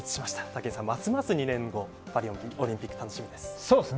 武井さん、ますます２年後のパリオリンピックが楽しみです。